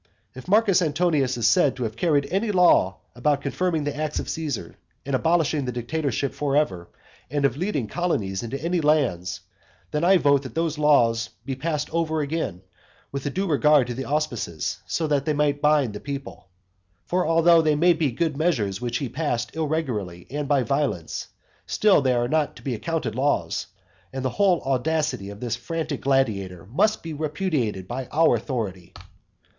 If Marcus Antonius is said to have carried any law about confirming the acts of Caesar and abolishing the dictatorship for ever, and of leading colonies into any lands, then I vote that those laws be passed over again, with a due regard to the auspices, so that they may bind the people. For although they may be good measures which he passed irregularly and by violence, still they are not to be accounted laws, and the whole audacity of this frantic gladiator must be repudiated by our authority.